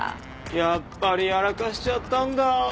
やっぱりやらかしちゃったんだ僕は。